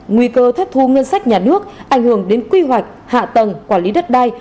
nguy cơ thất thu ngân sách nhà nước ảnh hưởng đến quy hoạch hạ tầng quản lý đất đai